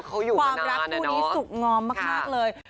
เขาอยู่มานานใช่ไหมเนาะค่ะความรักดูดี้สุขงอมมากนักเลย